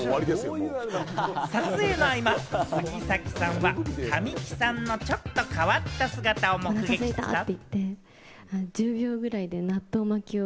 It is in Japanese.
撮影の合間、杉咲さんは神木さんのちょっと変わった姿を目撃したそうで。